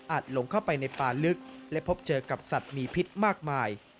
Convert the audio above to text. หลงเข้าไปในป่าลึกและพบเจอกับสัตว์มีพิษมากมาย